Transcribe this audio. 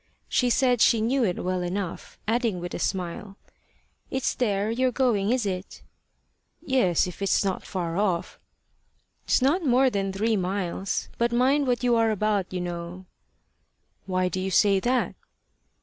She said she knew it well enough, adding with a smile "It's there you're going, is it?" "Yes, if it's not far off." "It's not more than three miles. But mind what you are about, you know." "Why do you say that?"